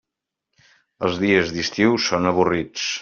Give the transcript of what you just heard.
Els dies d'estiu són avorrits.